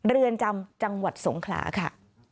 เรือนจำจังหวัดสงขลาค่ะ